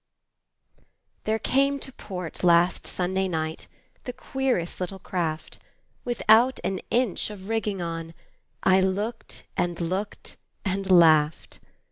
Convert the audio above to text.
There came to port last Sunday night The queerest little craft, Without an inch of rigging on; I looked and looked and laughed.